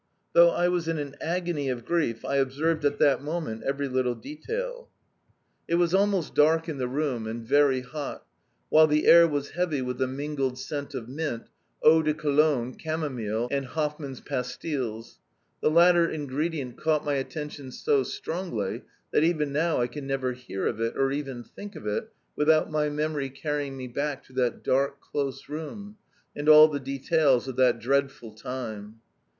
Though I was in an agony of grief, I observed at that moment every little detail. It was almost dark in the room, and very hot, while the air was heavy with the mingled, scent of mint, eau de cologne, camomile, and Hoffman's pastilles. The latter ingredient caught my attention so strongly that even now I can never hear of it, or even think of it, without my memory carrying me back to that dark, close room, and all the details of that dreadful time.